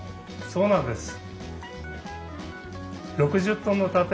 そうなんです。